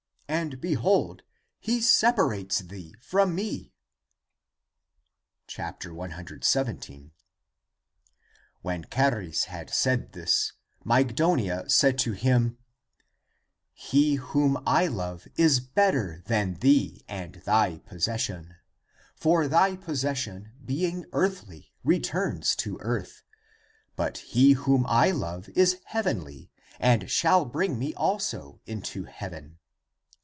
And behold, he separates thee from me." 117. When Charis had said this, Mygdonia said 322 THE APOCRYPHAL ACTS to him, " He whom I love is better than thee and thy possession. For thy possession, being earthly, re turns to earth. But he whom I love is heavenly and shall bring me also into heaven.